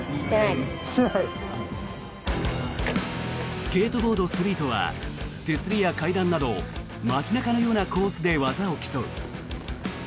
スケートボードストリートは手すりや階段など街中のようなコースで技を競う。